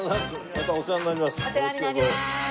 お世話になります。